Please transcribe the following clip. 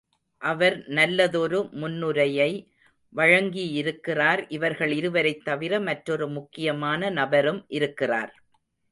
அவர் நல்லதொரு முன்னுரையை வழங்கியிருக்கிறார் இவர்கள் இருவரைத் தவிர மற்றொரு முக்கியமான நபரும் இருக்கிறார்.